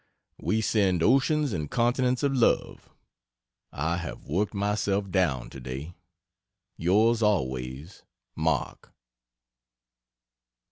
We send oceans and continents of love I have worked myself down, today. Yrs always MARK.